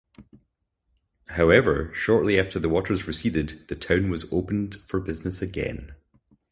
However, shortly after the waters receded the town was opened for business again.